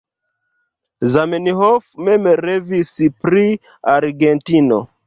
Zamenhof mem revis pri Argentino.